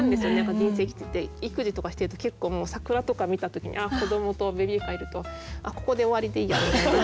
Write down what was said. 人生生きてて育児とかしてると結構桜とか見た時に子どもとベビーカーいると「あっここで終わりでいいや」みたいな。